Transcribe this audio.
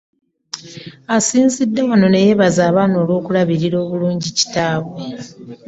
Asinzidde wano ne yeebaza abaana olw'okulabirira obulungi kitaabwe.